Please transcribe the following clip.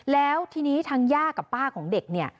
แล้วทีนี้ทางย่ากับป้าของเด็กเนี่ย